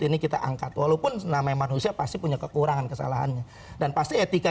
ini kita angkat walaupun namanya manusia pasti punya kekurangan kesalahannya dan pasti etika